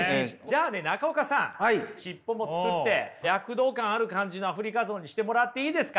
しっぽも作って躍動感ある感じのアフリカゾウにしてもらっていいですか？